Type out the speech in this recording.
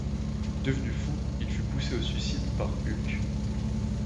Devenu fou, il fut poussé au suicide par Hulk.